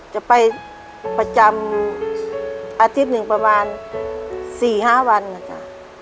จะไปประจำอาทิตย์หนึ่งประมาณ๔๕วันนะจ๊ะ